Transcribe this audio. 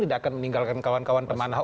tidak akan meninggalkan kawan kawan teman ahok